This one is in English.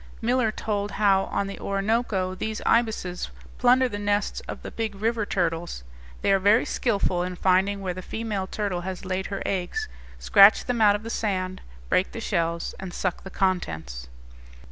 Miller told how on the Orinoco these ibises plunder the nests of the big river turtles. They are very skilful in finding where the female turtle has laid her eggs, scratch them out of the sand, break the shells, and suck the contents.